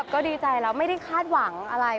ก็ดีใจแล้วไม่ได้คาดหวังอะไร